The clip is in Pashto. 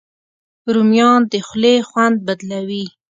رومیان د خولې خوند بدلوي